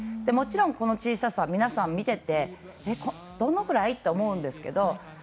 もちろん、この小ささ皆さん、見ててどのぐらい？って思うんですけど